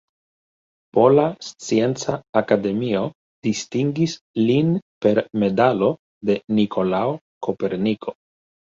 Pola Scienca Akademio distingis lin per medalo de Nikolao Koperniko.